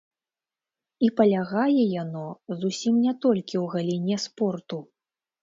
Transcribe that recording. І палягае яно зусім не толькі ў галіне спорту.